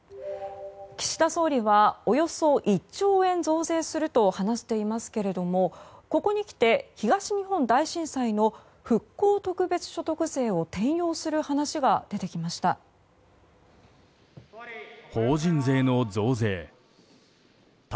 岸田総理は、およそ１兆円増税すると話していますがここにきて、東日本大震災の復興特別所得税を転用する話が出てきました。